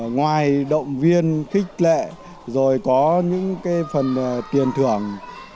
ngoài động viên khích lệ rồi có những phần tiền thưởng